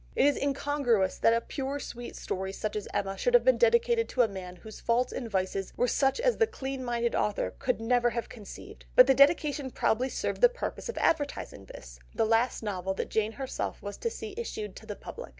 It is incongruous that a pure sweet story such as Emma should have been dedicated to a man whose faults and vices were such as the clean minded author could never have conceived, but the dedication probably served the purpose of advertising this, the last novel that Jane herself was to see issued to the public.